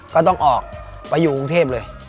ก็ต้องออกไปอยู่กรุงเทพเลย